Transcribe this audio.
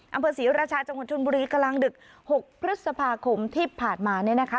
อำเภอศรีราชาจังหวัดชนบุรีกลางดึก๖พฤษภาคมที่ผ่านมาเนี่ยนะคะ